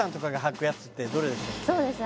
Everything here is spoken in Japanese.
そうですね